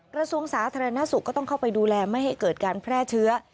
กระทรวงสาธารณสุขก็ต้องเข้าไปดูแลไม่ให้เกิดการแพร่เชื้อ